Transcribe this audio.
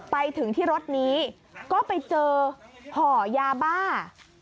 ไปถึงที่รถนี้ก็ไปเจอห่อยาบ้า